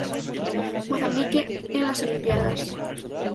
Mozambique en las Olimpíadas